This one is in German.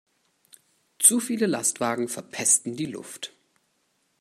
Zu viele Lastwagen verpesten die Luft.